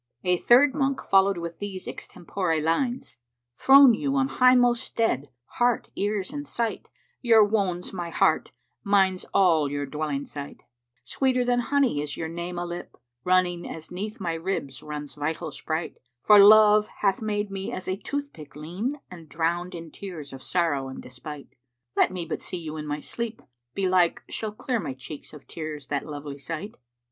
A third monk followed with these extempore lines, "Throne you on highmost stead, heart, ears and sight * Your wone's my heart; mine all's your dwelling site: Sweeter than honey is your name a lip, * Running, as 'neath my ribs runs vital sprite: For Love hath made me as a tooth pick[FN#369] lean * And drowned in tears of sorrow and despight: Let me but see you in my sleep, belike * Shall clear my cheeks of tears that lovely sight."